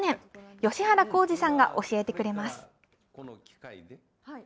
吉原幸二さんが教えてくれます。